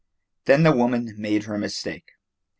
Then the woman made her mistake.